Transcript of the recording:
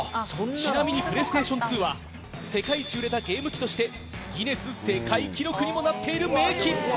ちなみにＰｌａｙＳｔａｔｉｏｎ２は世界一売れたゲーム機としてギネス世界記録にもなっている名機。